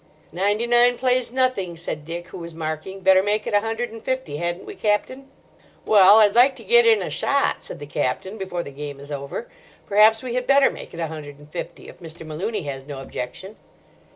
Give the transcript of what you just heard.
"Ninety nine plays nothing," said Dick, who was marking. "Better make it a hundred and fifty, hadn't we, Captain?" "Well, I'd like to get in a shot," said the Captain, "before the game is over. Perhaps we had better make it a hundred and fifty, if Mr. Malooney has no objection."